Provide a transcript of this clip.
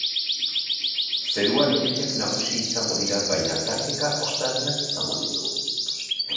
Zeruan hodeiak nagusi izango dira, baina tarteka ostarteak izango ditugu.